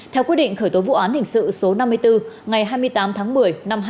theo quy định khởi tố vụ án hình sự số năm mươi bốn ngày hai mươi tám tháng một mươi năm hai nghìn hai mươi